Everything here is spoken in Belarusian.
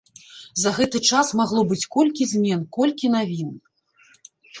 За гэты час магло быць колькі змен, колькі навін.